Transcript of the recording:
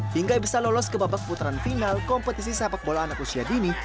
hingga bisa lolos ke babak putaran final kompetisi sepak bola anak usia dini